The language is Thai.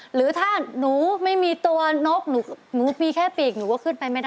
หรือถ้าหนูไม่มีตัวนกหนูมีแค่ปีกหนูก็ขึ้นไปไม่ได้